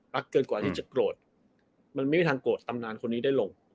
เกินกว่าที่จะโกรธมันไม่มีทางโกรธตำนานคนนี้ได้ลง